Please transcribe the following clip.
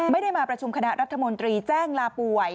ไม่ได้มาประชุมคณะรัฐมนตรีแจ้งลาป่วย